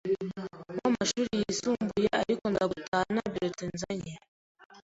w’amashuri yisumbuye ariko nza gutaha nta bulletin nzanye,